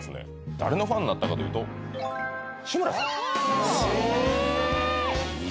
誰のファンだったかというと志村さんへぇ！